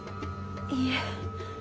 いいえ。